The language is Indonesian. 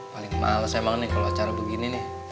paling males emang nih kalau acara begini nih